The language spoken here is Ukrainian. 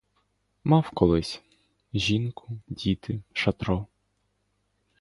Мав колись: жінку, діти, шатро.